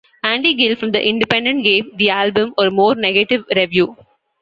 Andy Gill from "The Independent" gave the album a more negative review.